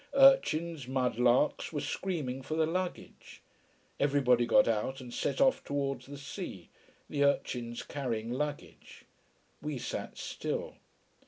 Urchins, mudlarks, were screaming for the luggage. Everybody got out and set off towards the sea, the urchins carrying luggage. We sat still.